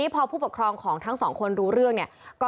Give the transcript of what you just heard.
พอผู้ปกครองรู้เรื่อง